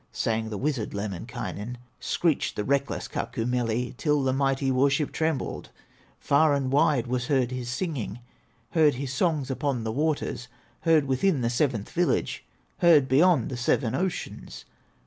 Sang the wizard, Lemminkainen, Screeched the reckless Kaukomieli, Till the mighty war ship trembled; Far and wide was heard his singing, Heard his songs upon the waters, Heard within the seventh village, Heard beyond the seven oceans.